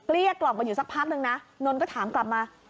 เรียกกล่อมกันอยู่สักพักนึงนะนนท์ก็ถามกลับมา